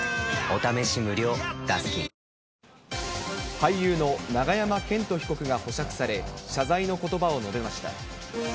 俳優の永山絢斗被告が保釈され、謝罪のことばを述べました。